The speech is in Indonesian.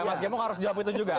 mas gembong harus jawab itu juga